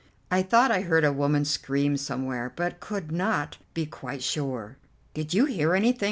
I thought I heard a woman scream somewhere, but could not be quite sure. "Did you hear anything?"